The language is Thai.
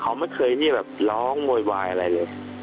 เขาไม่เคยนี่แบบร้องโวยวายอะไรเลย